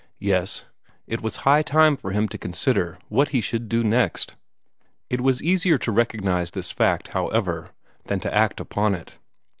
Yes; it was high time for him to consider what he should do next. It was easier to recognize this fact, however, than to act upon it.